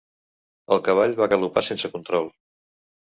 El cavall va galopar sense control.